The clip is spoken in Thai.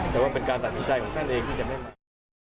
แต่ว่าเป็นการตัดสินใจของท่านเองที่จะไม่มา